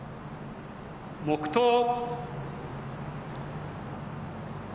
黙とう。